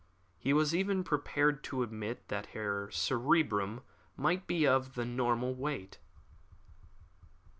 He was even prepared to admit that her cerebrum might be of the normal weight.